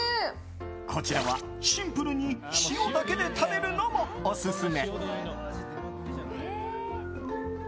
こちらはシンプルに塩だけで食べるのもオススメ。